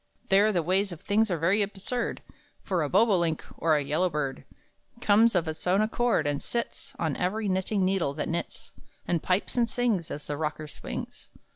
There the ways of things are very absurd; For a bobolink, or a yellow bird, Comes of its own accord, and sits On every knitting needle that knits, And pipes and sings, As the rocker swings.